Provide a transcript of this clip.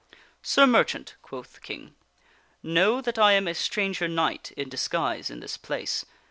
" Sir Merchant," quoth the King, " know that I am a stranger knight in disguise in this place.